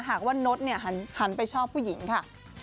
หากว่านดหันไปชอบผู้หญิงค่ะ